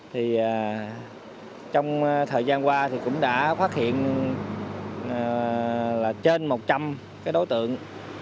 thì trong thời gian qua thì cũng đã phát hiện là trên một trăm linh cái đối tượng